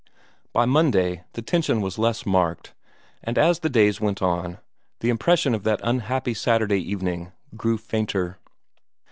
By Monday the tension was less marked, and as the days went on, the impression of that unhappy Saturday evening grew fainter.